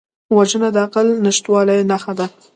وژنه د عقل نشتوالي نښه ده